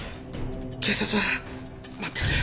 警察は待ってくれ。